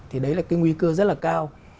thì đấy là nguy cơ rất là cao